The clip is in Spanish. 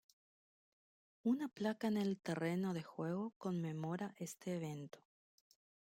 Una placa en el terreno de juego conmemora este evento.